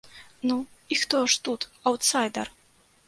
Ну, і хто ж тут аўтсайдар?